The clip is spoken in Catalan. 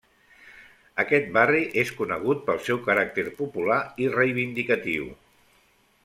Aquest barri és conegut pel seu caràcter popular i reivindicatiu.